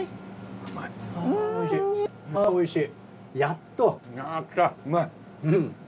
おいしい。